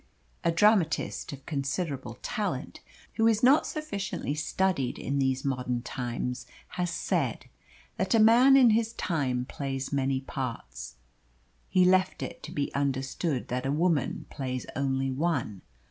A dramatist of considerable talent, who is not sufficiently studied in these modern times, has said that a man in his time plays many parts. He left it to be understood that a woman plays only one.